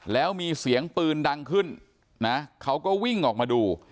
แล้วมีเสียงปืนดังขึ้นนะเขาก็วิ่งออกมาดู